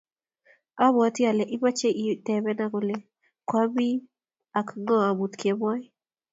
Abwoti ale imoche itebenaa kole kwamii ak ng'o amut kemoi